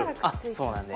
そうなんです。